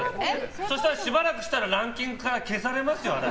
そしたらしばらくしたらランキングから消されますよ。